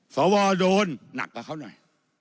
สวโดนหนักกว่าเขาหน่อย